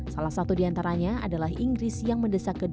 salah satu di antaranya adalah inggris yang mendesak kedua kubu